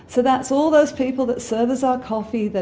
jadi itu semua orang yang menawarkan kopi kami